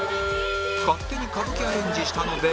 勝手に歌舞伎アレンジしたので×